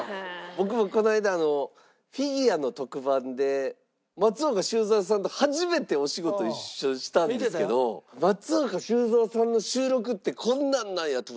僕もこの間フィギュアの特番で松岡修造さんと初めてお仕事一緒にしたんですけど松岡修造さんの収録ってこんなんなんやと。